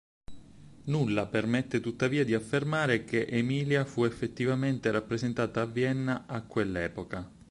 Nulla permette tuttavia di affermare che "Emilia" fu effettivamente rappresentata a Vienna a quell'epoca.